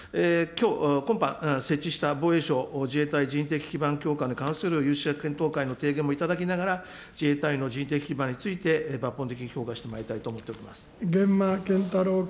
今般、設置した防衛省・自衛隊人的基盤強化に関する有識者検討会の提言を頂きながら、自衛隊の基盤について抜本的に評価してまいりたいと思っておりま源馬謙太郎君。